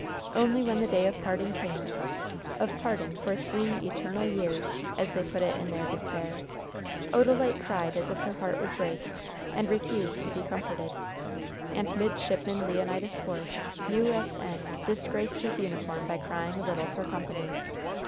Only when the day of parting came of parting "for three eternal years," as they put it in their despair Odalite cried as if her heart would break, and refused to be comforted; and Midshipman Leonidas Force, U. S. N., disgraced his uniform by crying a little for company.